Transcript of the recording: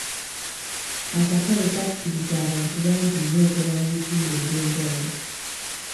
Akatale kasikiriza abantu bangi nnyo okuva mu bitundu eby'enjawulo.